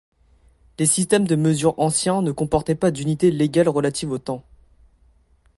Les systèmes de mesure ancien ne comportaient pas d'unités légales relatives au temps.